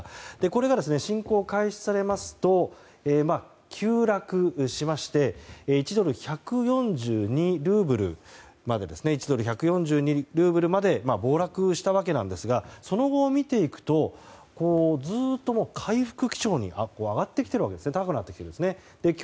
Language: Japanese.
これが、侵攻開始されますと急落しまして１ドル＝１４２ルーブルまで暴落したわけなんですがその後を見ていくとずっと回復基調に上がってきている高くなってきているわけですね。